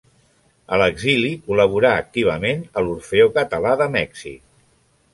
A l'exili col·laborà activament a l'Orfeó Català de Mèxic.